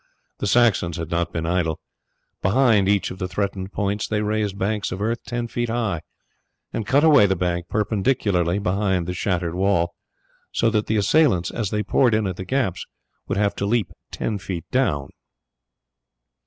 The Saxons had not been idle. Behind each of the threatened points they raised banks of earth ten feet high, and cut away the bank perpendicularly behind the shattered wall, so that the assailants as they poured in at the gaps would have to leap ten feet down.